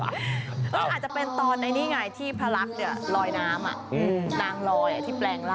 อาจจะเป็นตอนในนี่ไงที่พระลักษณ์ลอยน้ำนางลอยที่แปลงร่าง